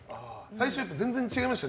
最初は全然違いました？